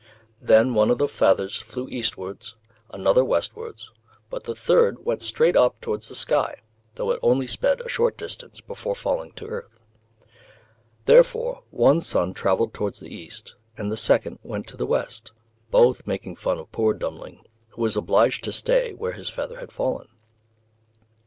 Then one of the feathers flew eastwards, another westwards, but the third went straight up towards the sky, though it only sped a short distance before falling to earth. Therefore one son travelled towards the east, and the second went to the west, both making fun of poor Dummling, who was obliged to stay where his feather had fallen.